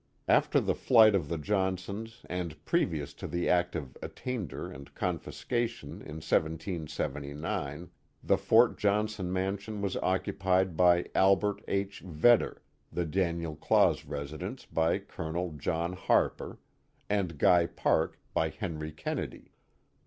After the flight of the Johnsons and previous to the act of attainder and confiscation in 1779, the Fort Johnson mansion was occupied by Albert H. Vedder, the Daniel Claus residence by Col. John Harper, and Guy Park by Henry Kennedy.